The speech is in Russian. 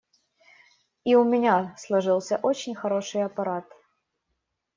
И у меня сложился очень хороший аппарат.